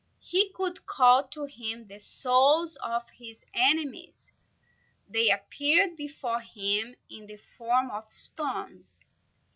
He could call to him the souls of his enemies. They appeared before him in the form of stones.